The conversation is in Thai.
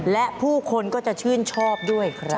และผู้คนก็จะชื่นชอบด้วยครับ